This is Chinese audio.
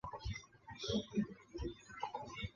我出来找找